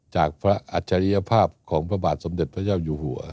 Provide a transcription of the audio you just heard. จากพระอัจฉริยภาพของพระบาทสมเด็จพระเจ้าอยู่หัว